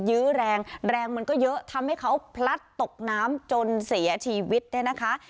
ยื้อแรงแรงแรงมันก็เยอะทำให้เขาพลัดตกน้ำจนเสียชีวิตเนี่ยนะคะ